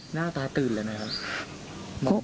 หน้าตาตื่นเลยนะครับ